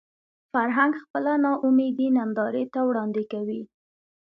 فرهنګ خپله ناامیدي نندارې ته وړاندې کوي